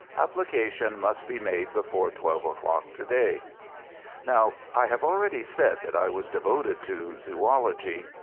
Application must be made before twelve o'clock to day. Now, I have already said that I was devoted to zoology.